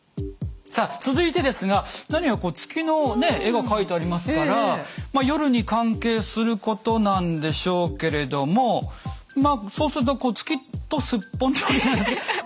さあ続いてですが何やらこう月の絵が描いてありますからまあ夜に関係することなんでしょうけれどもまあそうすると「月とすっぽん」とか。